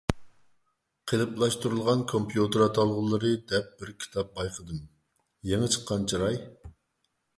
«قېلىپلاشتۇرۇلغان كومپيۇتېر ئاتالغۇلىرى» دەپ بىر كىتاب بايقىدىم، يېڭى چىققان چىراي.